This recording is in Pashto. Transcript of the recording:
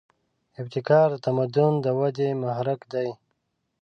ابتکار د تمدن د ودې محرک دی.